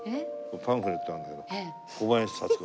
パンフレットがあるんだけど小林幸子。